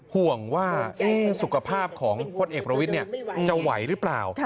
ห่วงว่าสุขภาพของพลเอกประวิทย์จะไหวหรือเปล่า